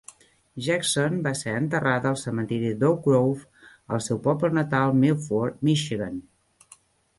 Jackson va ser enterrada al cementiri d'Oak Grove, al seu poble natal, Milford, Michigan.